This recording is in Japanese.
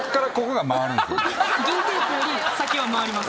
銀テープより先は回ります。